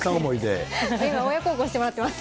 今、親孝行してもらってます。